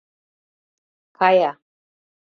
Кая